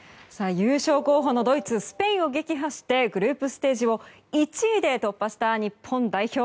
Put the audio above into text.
優勝候補のドイツ、スペインを撃破してグループステージを１位で突破した日本代表。